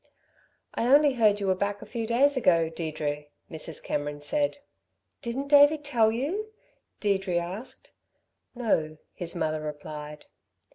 "I only heard you were back a few days ago, Deirdre," Mrs. Cameron said. "Didn't Davey tell you?" Deirdre asked. "No," his mother replied.